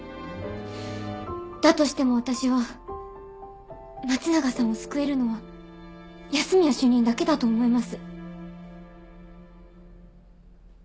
だとしても私は松永さんを救えるのは安洛主任だけだと思います。